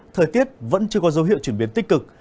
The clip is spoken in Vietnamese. thời tiết vẫn chưa có dấu hiệu chuyển biến tích cực